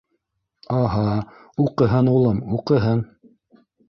— Аһа, уҡыһын улым, уҡыһын.